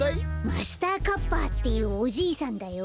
マスターカッパっていうおじいさんだよ。